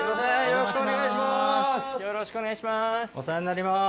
よろしくお願いします。